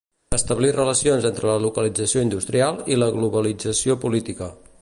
Establir relacions entre la localització industrial i la globalització política.